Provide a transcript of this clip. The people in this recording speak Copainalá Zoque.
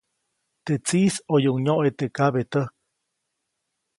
Teʼ tsiʼis ʼoyuʼuŋ nyoʼe teʼ kabetäjk.